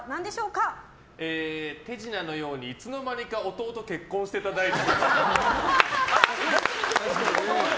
手品のようにいつの間にか弟結婚してた大臣。